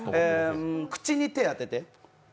口に手を当てて。